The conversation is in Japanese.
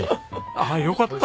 ああよかった。